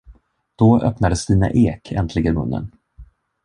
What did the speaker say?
Då öppnade Stina Ek äntligen munnen.